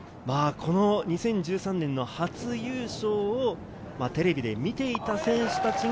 この２０１３年の初優勝をテレビで見ていた選手たちが。